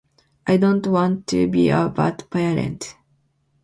I don't want to be a bad parent.